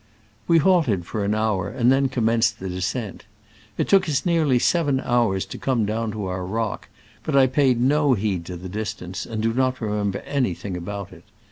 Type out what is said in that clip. We halted for an hour, and then com menced the descent. It took us nearly seven hours to come down to our rock, but I paid no heed to the distance, and do not remember anything about it.